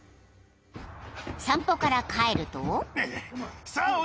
［散歩から帰ると］